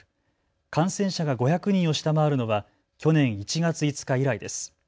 感染者が５００人を下回るのは去年１月５日以来です。